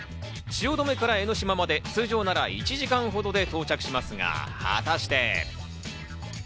汐留から江の島まで通常なら１時間ほどで到着しますが、果たして。